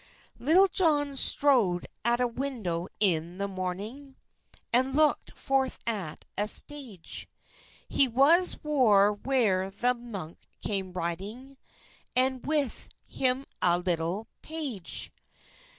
Litul John stode at a window in the mornynge, And lokid forth at a stage; He was war wher the munke came ridynge, And with him a litul page.